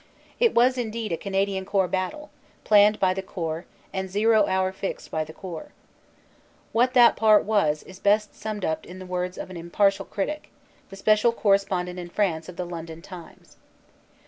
It was indeed a Canadian Corps battle, planned by the Corps and "zero" hour fixed by the Corps. What that part was is best summed up in the words of an impartial critic, the special correspondent in France of the London Times.